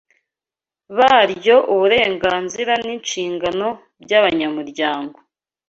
baryo uburenganzira ninshingano byabanyamuryango